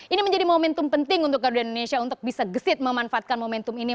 ini menjadi momentum penting untuk garuda indonesia untuk bisa gesit memanfaatkan momentum ini